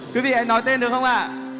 quý vị hãy nói tên được không ạ